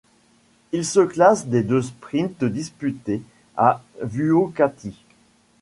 Il se classe des deux sprints disputés à Vuokatti.